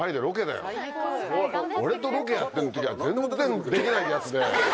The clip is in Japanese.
俺とロケやってる時は全然できない奴で。